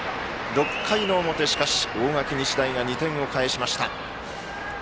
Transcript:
６回の表しかし、大垣日大が２点を返しました。